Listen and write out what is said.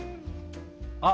あ！